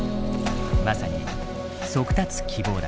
まさに「速達希望」だ。